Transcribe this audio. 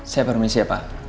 saya permisi ya pak